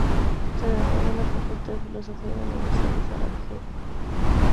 Se graduó de la facultad de Filosofía de la Universidad de Sarajevo.